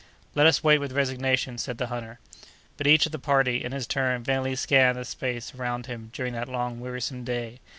"Let us wait with resignation," said the hunter. But, each of the party, in his turn, vainly scanned the space around him during that long wearisome day.